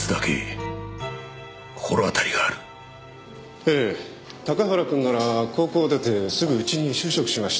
ええ高原君なら高校を出てすぐうちに就職しました。